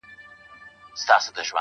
o گوره ځوانـيمـرگ څه ښـه وايــي.